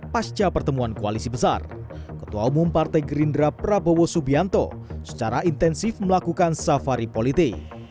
pasca pertemuan koalisi besar ketua umum partai gerindra prabowo subianto secara intensif melakukan safari politik